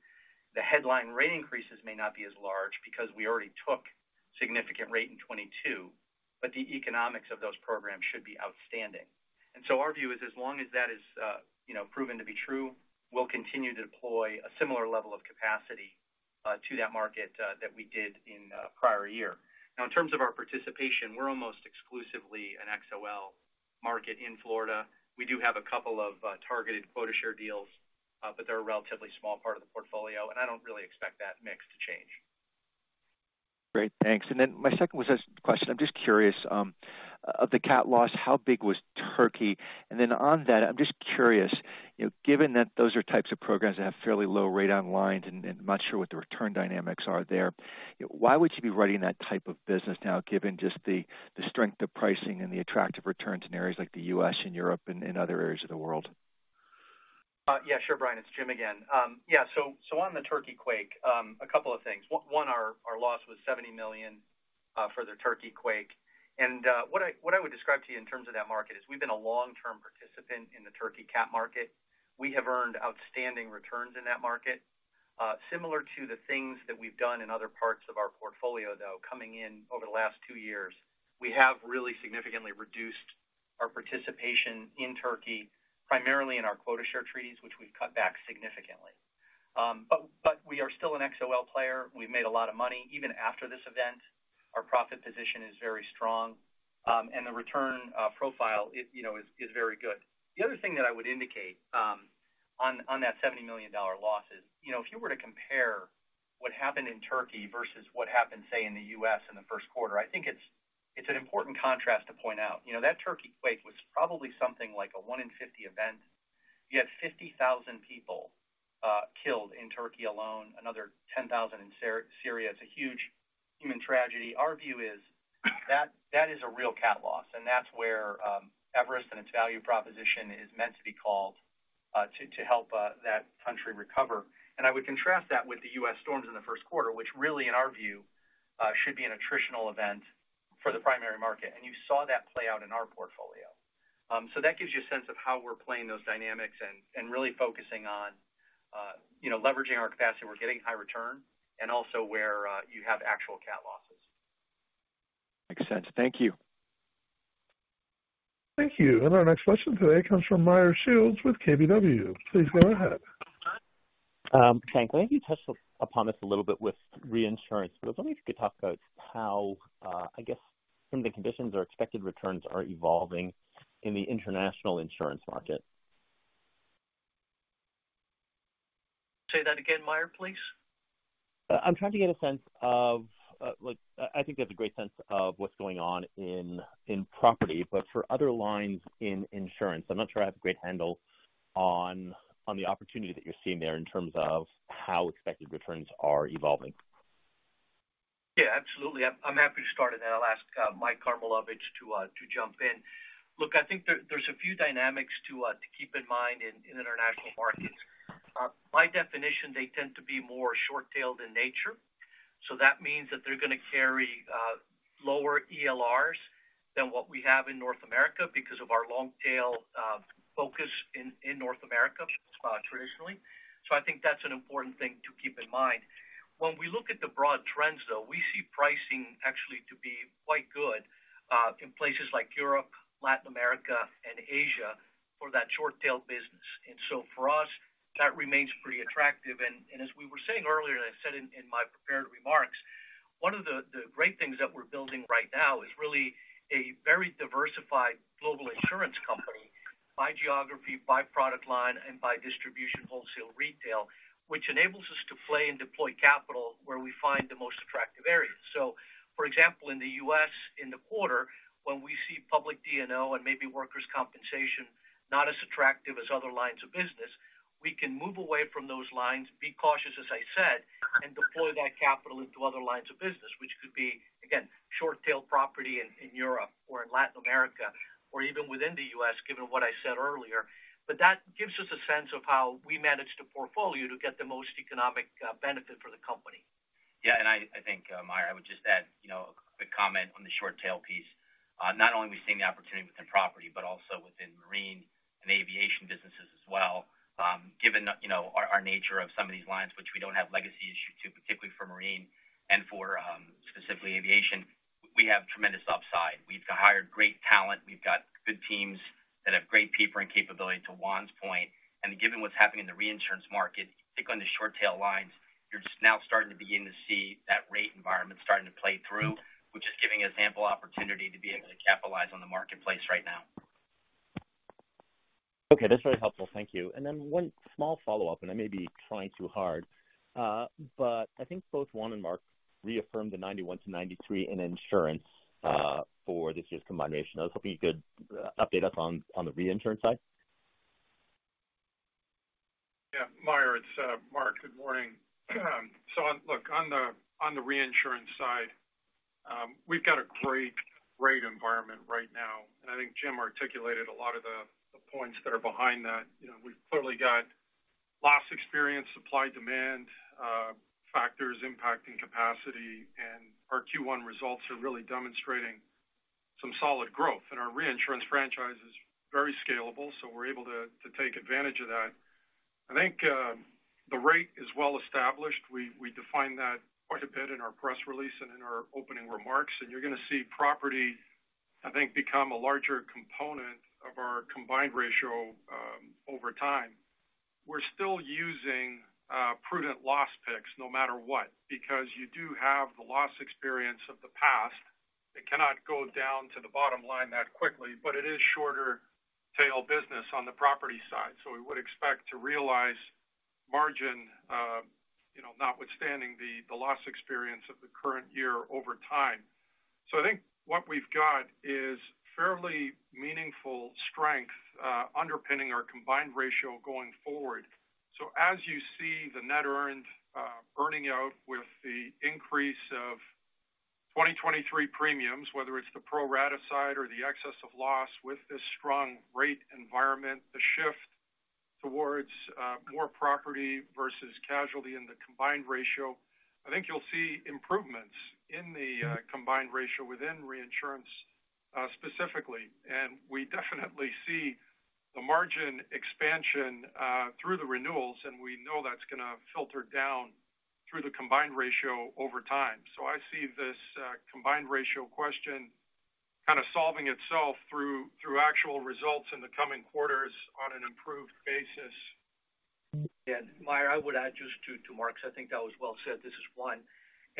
The headline rate increases may not be as large because we already took significant rate in 2022, but the economics of those programs should be outstanding. Our view is as long as that is, you know, proven to be true, we'll continue to deploy a similar level of capacity to that market that we did in prior year. In terms of our participation, we're almost exclusively an XOL market in Florida. We do have a couple of targeted quota share deals, but they're a relatively small part of the portfolio, and I don't really expect that mix to change. Great. Thanks. My second was this question. I'm just curious, of the cat loss, how big was Turkey? On that, I'm just curious, you know, given that those are types of programs that have fairly low rate on lines and I'm not sure what the return dynamics are there, why would you be writing that type of business now, given just the strength of pricing and the attractive returns in areas like the U.S. and Europe and other areas of the world? Yeah, sure, Brian. It's Jim again. Yeah, so on the Turkey quake, a couple of things. One, our loss was $70 million for the Turkey quake. What I would describe to you in terms of that market is we've been a long-term participant in the Turkey cat market. We have earned outstanding returns in that market. Similar to the things that we've done in other parts of our portfolio, though, coming in over the last two years, we have really significantly reduced our participation in Turkey, primarily in our quota share treaties, which we've cut back significantly. We are still an XOL player. We've made a lot of money even after this event. Our profit position is very strong, and the return profile is, you know, is very good. The other thing that I would indicate, on that $70 million loss is, you know, if you were to compare what happened in Turkey versus what happened, say, in the U.S. in the first quarter, I think it's an important contrast to point out. You know, that Turkey quake was probably something like a 1 in 50 event. You had 50,000 people, killed in Turkey alone, another 10,000 in Syria. It's a huge human tragedy. Our view is that is a real cat loss, and that's where, Everest Group, Ltd. and its value proposition is meant to be called, to help, that country recover. I would contrast that with the U.S. storms in the first quarter, which really, in our view, should be an attritional event for the primary market. You saw that play out in our portfolio. That gives you a sense of how we're playing those dynamics and really focusing on, you know, leveraging our capacity, we're getting high return and also where, you have actual cat losses. Makes sense. Thank you. Thank you. Our next question today comes from Meyer Shields with KBW. Please go ahead. Thanks. I know you touched upon this a little bit with reinsurance, but I was wondering if you could talk about how, I guess some of the conditions or expected returns are evolving in the international insurance market? Say that again, Meyer, please. I'm trying to get a sense of, I think there's a great sense of what's going on in property, but for other lines in insurance, I'm not sure I have a great handle on the opportunity that you're seeing there in terms of how expected returns are evolving. Yeah, absolutely. I'm happy to start, and then I'll ask Mike Karmilowicz to jump in. Look, I think there's a few dynamics to keep in mind in international markets. By definition, they tend to be more short-tailed in nature. That means that they're gonna carry lower ELRs than what we have in North America because of our long tail focus in North America traditionally. I think that's an important thing to keep in mind. When we look at the broad trends, though, we see pricing actually to be quite good in places like Europe, Latin America, and Asia for that short tail business. For us, that remains pretty attractive. As we were saying earlier, and I said in my prepared remarks One of the great things that we're building right now is really a very diversified global insurance company by geography, by product line, and by distribution wholesale retail, which enables us to play and deploy capital where we find the most attractive areas. For example, in the US, in the quarter, when we see public D&O and maybe workers' compensation not as attractive as other lines of business, we can move away from those lines, be cautious, as I said, and deploy that capital into other lines of business, which could be, again, short-tail property in Europe or in Latin America or even within the US, given what I said earlier. That gives us a sense of how we manage the portfolio to get the most economic benefit for the company. Yeah. I think, Meyer, I would just add, you know, a quick comment on the short tail piece. Not only are we seeing the opportunity within property, but also within marine and aviation businesses as well. Given, you know, our nature of some of these lines, which we don't have legacy issue to, particularly for marine and for, specifically aviation, we have tremendous upside. We've hired great talent. We've got good teams that have great peepering capability, to Juan's point. Given what's happening in the reinsurance market, particularly on the short tail lines, you're just now starting to begin to see that rate environment starting to play through, which is giving us ample opportunity to be able to capitalize on the marketplace right now. Okay. That's really helpful. Thank you. One small follow-up, and I may be trying too hard. I think both Juan and Mark reaffirmed the 91%-93% in insurance for this year's combination. I was hoping you could update us on the reinsurance side. Yeah, Meyer, it's Mark. Good morning. Look, on the reinsurance side, we've got a great rate environment right now, and I think Jim articulated a lot of the points that are behind that. You know, we've clearly got loss experience, supply-demand, factors impacting capacity, our Q1 results are really demonstrating some solid growth. Our reinsurance franchise is very scalable, so we're able to take advantage of that. I think the rate is well established. We defined that quite a bit in our press release and in our opening remarks. You're gonna see property, I think, become a larger component of our combined ratio over time. We're still using prudent loss picks no matter what, because you do have the loss experience of the past. It cannot go down to the bottom line that quickly, but it is shorter tail business on the property side. We would expect to realize margin, you know, notwithstanding the loss experience of the current year over time. I think what we've got is fairly meaningful strength underpinning our combined ratio going forward. As you see the net earned earning out with the increase of 2023 premiums, whether it's the pro-rata side or the excess of loss with this strong rate environment, the shift towards more property versus casualty in the combined ratio, I think you'll see improvements in the combined ratio within reinsurance specifically. We definitely see the margin expansion through the renewals, and we know that's gonna filter down through the combined ratio over time. I see this combined ratio question kind of solving itself through actual results in the coming quarters on an improved basis. Yeah. Meyer, I would add just to Mark's. I think that was well said. This is Juan.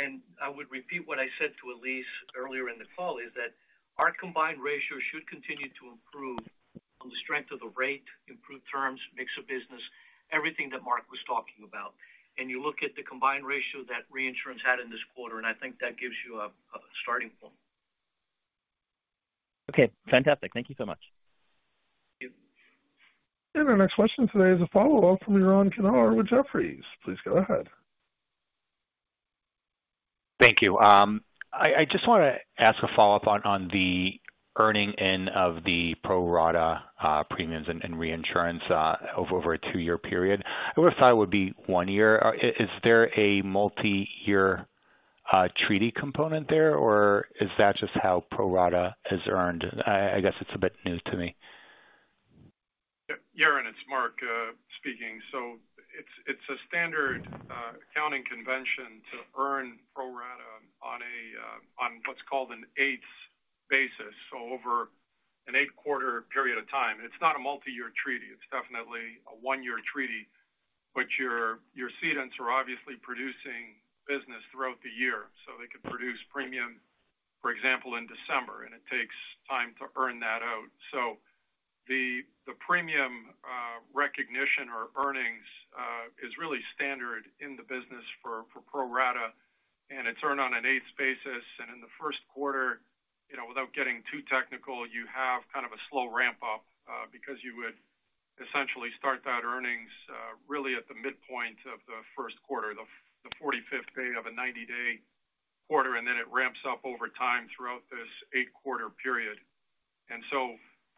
I would repeat what I said to Elyse earlier in the call, is that our combined ratio should continue to improve on the strength of the rate, improved terms, mix of business, everything that Mark was talking about. You look at the combined ratio that reinsurance had in this quarter, and I think that gives you a starting point. Okay, fantastic. Thank you so much. Thank you. Our next question today is a follow-up from Yaron Kinar with Jefferies. Please go ahead. Thank you. I just wanna ask a follow-up on the earning in of the pro rata premiums and reinsurance over a two-year period. I would've thought it would be one year. Is there a multiyear treaty component there, or is that just how pro rata is earned? I guess it's a bit new to me. Yep. Yaron, it's Mark speaking. It's a standard accounting convention to earn pro-rata on what's called an eighths basis, so over an eight quarter period of time. It's not a multiyear treaty. It's definitely a one year treaty. Your cedents are obviously producing business throughout the year, so they can produce premium, for example, in December, and it takes time to earn that out. The premium recognition or earnings is really standard in the business for pro-rata, and it's earned on an eighths basis. In the first quarter, you know, without getting too technical, you have kind of a slow ramp up because you would essentially start that earnings really at the midpoint of the first quarter the forty-fifth day of a 90-day quarter, and then it ramps up over time throughout this eight quarter period.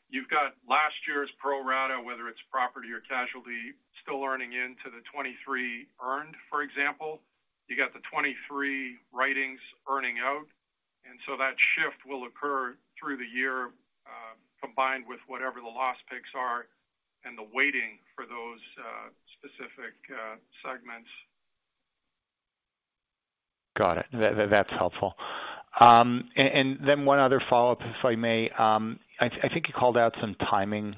You've got last year's pro rata, whether it's property or casualty, still earning into the 2023 earned, for example. You got the 2023 writings earning out. That shift will occur through the year, combined with whatever the loss picks are and the weighting for those specific segments. Got it. That's helpful. One other follow-up, if I may. I think you called out some timing,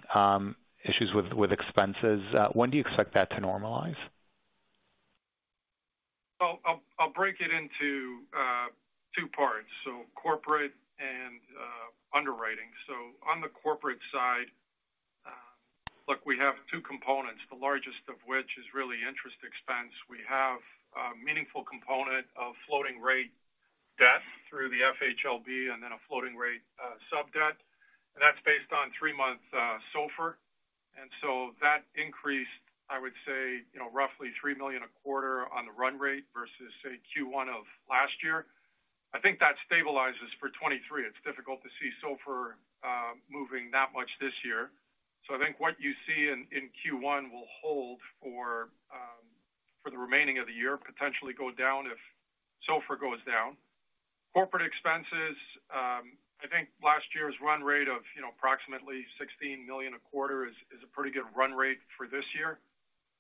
issues with expenses. When do you expect that to normalize? Well, I'll break it into two parts, corporate and underwriting. On the corporate side, look, we have two components, the largest of which is really interest expense. We have a meaningful component of floating rate debt through the FHLB and then a floating rate sub-debt, and that's based on three month SOFR. That increased, I would say, you know, roughly $3 million a quarter on the run rate versus, say, Q1 of last year. I think that stabilizes for 2023. It's difficult to see SOFR moving that much this year. I think what you see in Q1 will hold for the remaining of the year, potentially go down if SOFR goes down. Corporate expenses, I think last year's run rate of, you know, approximately $16 million a quarter is a pretty good run rate for this year.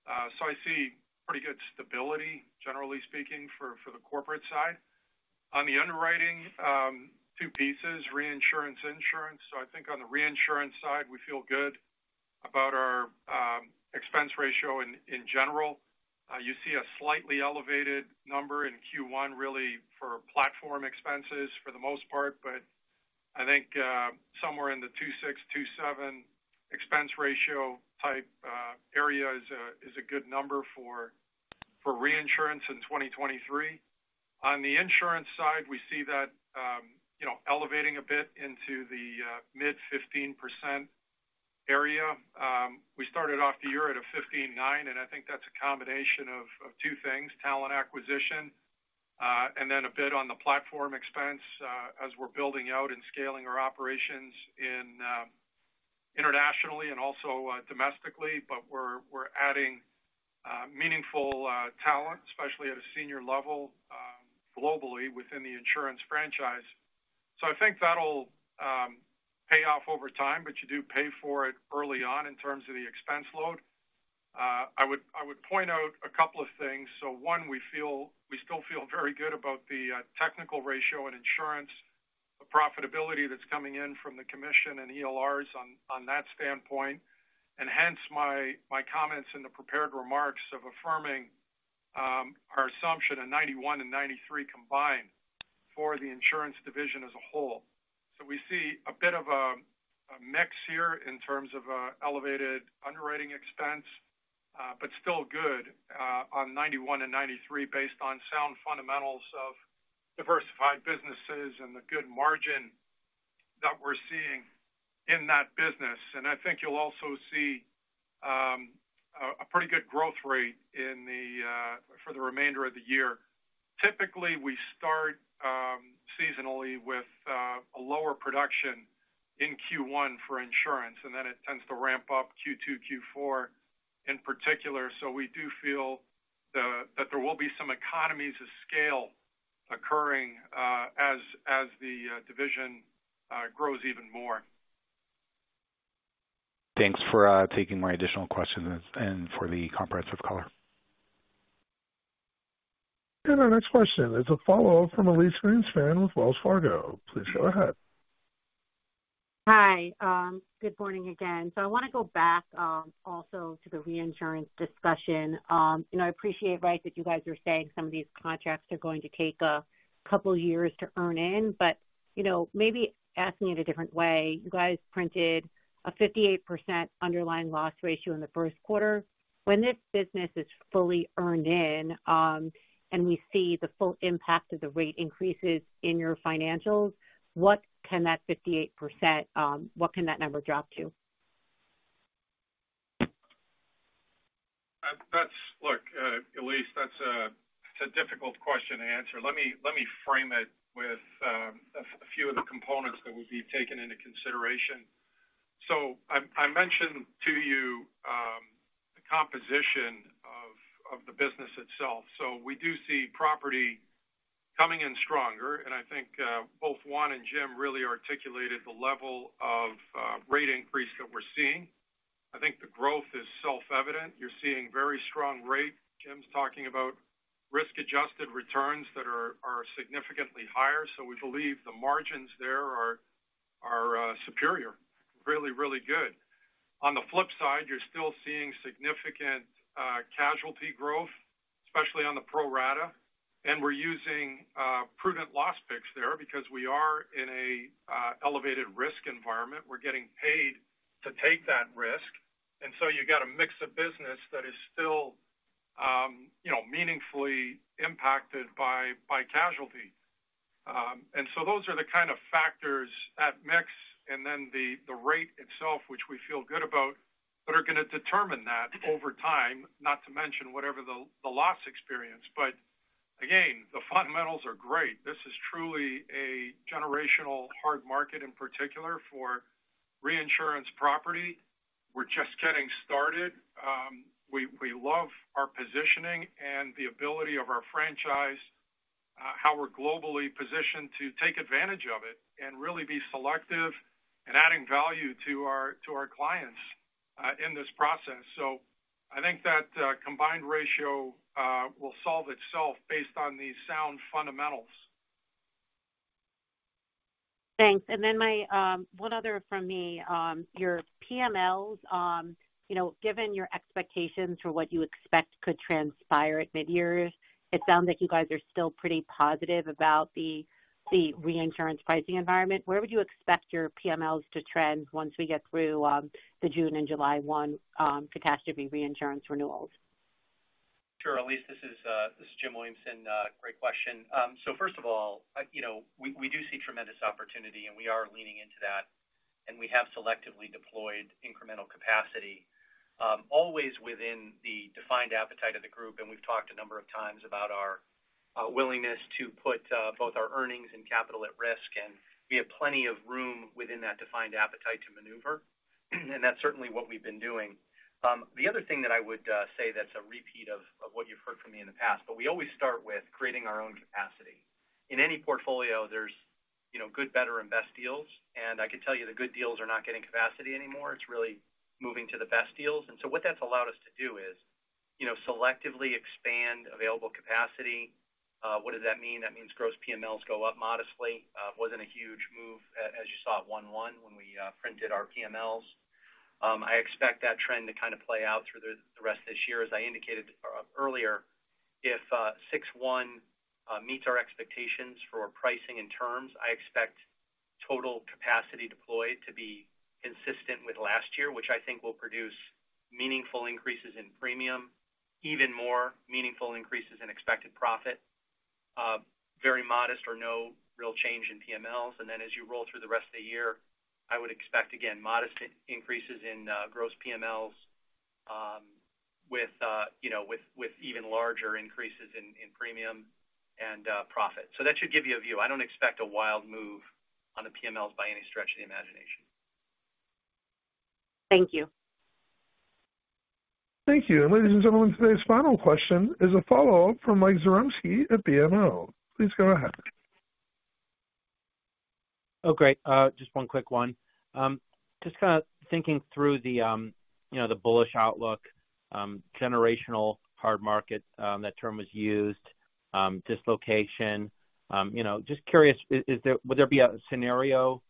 I see pretty good stability, generally speaking, for the corporate side. On the underwriting, two pieces, reinsurance, insurance. I think on the reinsurance side, we feel good about our expense ratio in general. You see a slightly elevated number in Q1 really for platform expenses for the most part. I think somewhere in the 26%-27% expense ratio type area is a good number for reinsurance in 2023. On the insurance side, we see that, you know, elevating a bit into the mid 15% area. We started off the year at a 15.9%, I think that's a combination of two things, talent acquisition, and then a bit on the platform expense, as we're building out and scaling our operations internationally and also domestically. We're adding meaningful talent, especially at a senior level, globally within the insurance franchise. I think that'll pay off over time, but you do pay for it early on in terms of the expense load. I would point out a couple of things. One, we still feel very good about the technical ratio in insurance, the profitability that's coming in from the commission and ELRs on that standpoint. Hence my comments in the prepared remarks of affirming our assumption in 91 and 93 combined for the Insurance Division as a whole. We see a bit of a mix here in terms of elevated underwriting expense, but still good on 91 and 93 based on sound fundamentals of diversified businesses and the good margin that we're seeing in that business. I think you'll also see a pretty good growth rate for the remainder of the year. Typically, we start seasonally with a lower production in Q1 for insurance, and then it tends to ramp up Q2, Q4, in particular. We do feel that there will be some economies of scale occurring as the division grows even more. Thanks for taking my additional questions and for the comprehensive color. Our next question is a follow-up from Elyse Greenspan with Wells Fargo. Please go ahead. Hi. Good morning again. I wanna go back, also to the reinsurance discussion. I appreciate, right, that you guys are saying some of these contracts are going to take a couple of years to earn in. You know, maybe asking it a different way, you guys printed a 58% underlying loss ratio in the first quarter. When this business is fully earned in, and we see the full impact of the rate increases in your financials, what can that 58%, what can that number drop to? Look, Elyse, it's a difficult question to answer. Let me frame it with a few of the components that would be taken into consideration. I mentioned to you the composition of the business itself. We do see property coming in stronger. I think both Juan and Jim really articulated the level of rate increase that we're seeing. I think the growth is self-evident. You're seeing very strong rate. Jim's talking about risk-adjusted returns that are significantly higher. We believe the margins there are superior. Really good. On the flip side, you're still seeing significant casualty growth, especially on the pro-rata. We're using prudent loss picks there because we are in a elevated risk environment. We're getting paid to take that risk. You got a mix of business that is still, you know, meaningfully impacted by casualty. Those are the kind of factors, that mix, and then the rate itself, which we feel good about, that are gonna determine that over time, not to mention whatever the loss experience. The fundamentals are great. This is truly a generational hard market, in particular for reinsurance property. We're just getting started. We love our positioning and the ability of our franchise, how we're globally positioned to take advantage of it and really be selective in adding value to our clients. In this process. I think that combined ratio will solve itself based on the sound fundamentals. Thanks. My one other from me. Your PMLs, you know, given your expectations for what you expect could transpire at mid-year, it sounds like you guys are still pretty positive about the reinsurance pricing environment. Where would you expect your PMLs to trend once we get through the June and July 1 catastrophe reinsurance renewals? Sure. Elise, this is Jim Williamson. Great question. First of all, you know, we do see tremendous opportunity, and we are leaning into that, and we have selectively deployed incremental capacity, always within the defined appetite of the group. We've talked a number of times about our willingness to put both our earnings and capital at risk, and we have plenty of room within that defined appetite to maneuver, and that's certainly what we've been doing. The other thing that I would say that's a repeat of what you've heard from me in the past, we always start with creating our own capacity. In any portfolio there's, you know, good, better, and best deals. I can tell you the good deals are not getting capacity anymore. It's really moving to the best deals. What that's allowed us to do is, you know, selectively expand available capacity. What does that mean? That means gross PMLs go up modestly. Wasn't a huge move as you saw at 1/1 when we printed our PMLs. I expect that trend to kind of play out through the rest of this year. As I indicated earlier, if 6/1 meets our expectations for pricing and terms, I expect total capacity deployed to be consistent with last year, which I think will produce meaningful increases in premium, even more meaningful increases in expected profit. Very modest or no real change in PMLs. As you roll through the rest of the year, I would expect, again, modest increases in gross PMLs, with, you know, with even larger increases in premium and profit. That should give you a view. I don't expect a wild move on the PMLs by any stretch of the imagination. Thank you. Thank you. Ladies and gentlemen, today's final question is a follow-up from Mike Zaremski at BMO. Please go ahead. Oh, great. Just one quick one. Just kinda thinking through the, you know, the bullish outlook, generational hard market, that term was used, dislocation. You know, just curious, would there be a scenario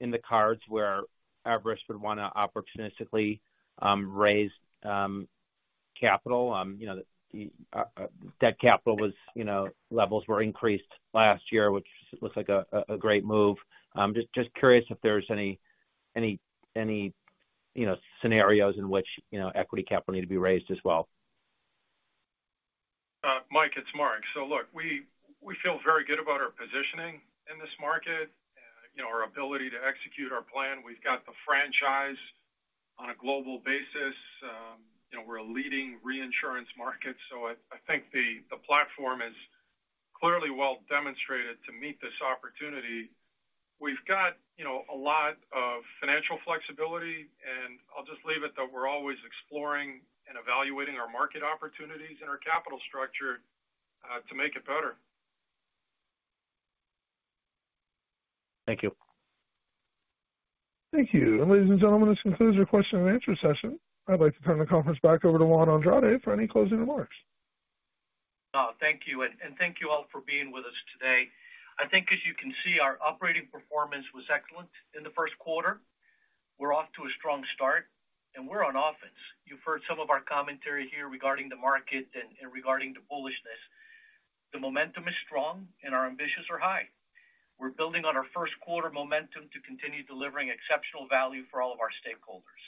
in the cards where Everest would wanna opportunistically raise capital? You know, the debt capital was, you know, levels were increased last year, which looks like a great move. Just curious if there's any, you know, scenarios in which, you know, equity capital need to be raised as well? Mike, it's Mark. Look, we feel very good about our positioning in this market. You know, our ability to execute our plan. We've got the franchise on a global basis. You know, we're a leading reinsurance market, so I think the platform is clearly well demonstrated to meet this opportunity. We've got, you know, a lot of financial flexibility, and I'll just leave it that we're always exploring and evaluating our market opportunities and our capital structure to make it better. Thank you. Thank you. Ladies and gentlemen, this concludes your question and answer session. I'd like to turn the conference back over to Juan Andrade for any closing remarks. Thank you, and thank you all for being with us today. I think as you can see, our operating performance was excellent in the first quarter. We're off to a strong start, and we're on offense. You've heard some of our commentary here regarding the market and regarding the bullishness. The momentum is strong and our ambitions are high. We're building on our first quarter momentum to continue delivering exceptional value for all of our stakeholders.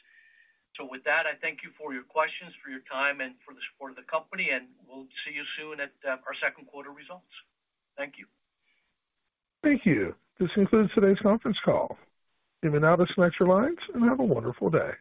With that, I thank you for your questions, for your time, and for the support of the company, and we'll see you soon at our second quarter results. Thank you. Thank you. This concludes today's conference call. You may now disconnect your lines and have a wonderful day.